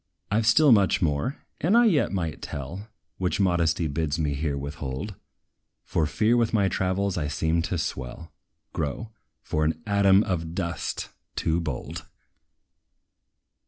I 've still much more, that I yet might tell, Which modesty bids me here withhold; For fear with my travels I seem to swell, grow, for an ATOM OF DUST, too bold!